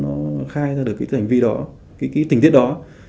nó khai ra được cái tình tiết đó